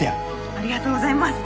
ありがとうございます！